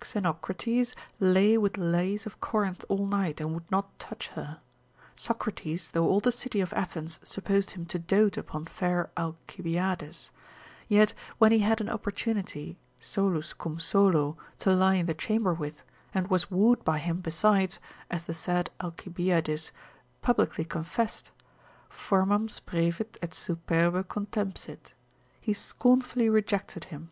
Xenocrates lay with Lais of Corinth all night, and would not touch her. Socrates, though all the city of Athens supposed him to dote upon fair Alcibiades, yet when he had an opportunity, solus cum solo to lie in the chamber with, and was wooed by him besides, as the said Alcibiades publicly confessed, formam sprevit et superbe contempsit, he scornfully rejected him.